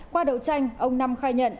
qua đầu tranh ông năm khai nhận